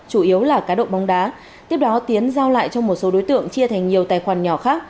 chủ yếu là cá độ bóng đá tiếp đó tiến giao lại cho một số đối tượng chia thành nhiều tài khoản nhỏ khác